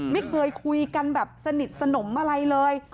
ไม่เคยคุยกันแบบสนิทสนมอะไรเลย